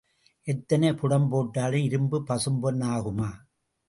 எத்தனை புடம் போட்டாலும் இரும்பு பசும்பொன் ஆகுமா?